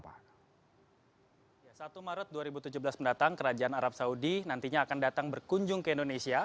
pada satu maret dua ribu tujuh belas mendatang kerajaan arab saudi nantinya akan datang berkunjung ke indonesia